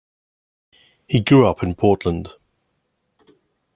He grew up in Portland.